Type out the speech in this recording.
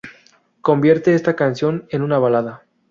Convierte esta canción en una balada.